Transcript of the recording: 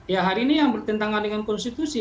ya hari ini yang bertentangan dengan konstitusi